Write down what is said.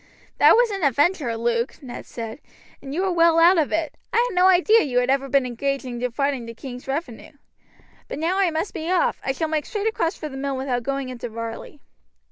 "That was an adventure, Luke," Ned said, "and you were well out of it. I had no idea you had ever been engaged in defrauding the king's revenue. But now I must be off. I shall make straight across for the mill without going into Varley."